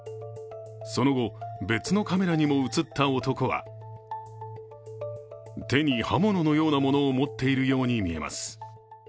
その後、別のカメラにも映った男は手に刃物のようなものを持っているように見えます。